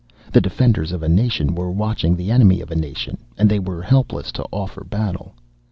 The defenders of a nation were watching the enemy of a nation, and they were helpless to offer battle.